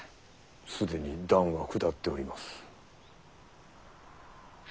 既に断は下っております。